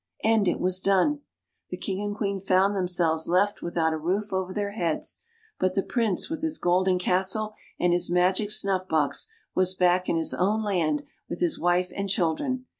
And it was done ! The King and Queen found themselves left without a roof over their heads; but the Prince, with his golden castle, and his magic snufF box, was back in his own land with his wife and children.